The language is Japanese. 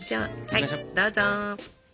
はいどうぞ。